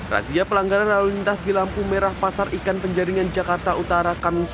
razia pelanggaran lalu lintas di lampu merah pasar ikan penjaringan jakarta utara kamis